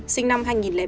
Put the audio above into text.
sinh năm hai nghìn bảy